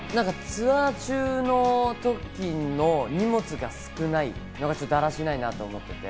ツアー中の時の荷物が少ないのがちょっとだらしないなと思っていて。